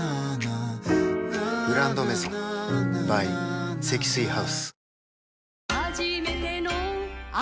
「グランドメゾン」ｂｙ 積水ハウス